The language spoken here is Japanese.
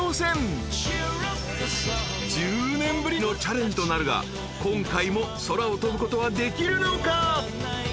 ［１０年ぶりのチャレンジとなるが今回も空を飛ぶことはできるのか？］